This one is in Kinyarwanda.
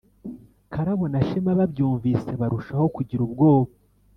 karabo na shema babyumvise barushaho kugira ubwoba.